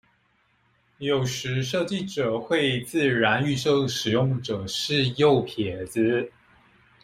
有時設計者會自然預設使用者是右撇子